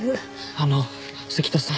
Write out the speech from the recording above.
あの関田さん。